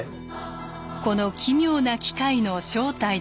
この奇妙な機械の正体とは？